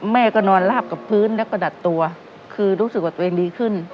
แม่ก็นอนลาบกับพื้นแล้วก็ดัดตัวคือรู้สึกว่าตัวเองดีขึ้น